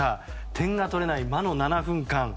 点が取れない魔の７分間。